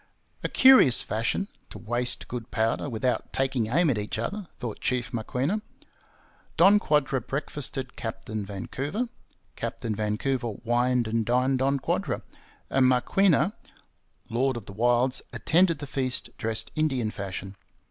A curious fashion, to waste good powder without taking aim at each other, thought Chief Maquinna. Don Quadra breakfasted Captain Vancouver. Captain Vancouver wined and dined Don Quadra; and Maquinna, lord of the wilds, attended the feast dressed Indian fashion.